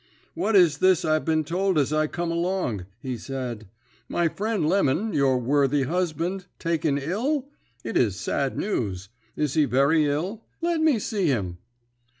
"'What is this I've been told as I come along?' he said. 'My friend Lemon, your worthy husband, taken ill? It is sad news. Is he very ill? Let me see him.'